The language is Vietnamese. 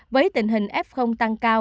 với tình hình f tăng cao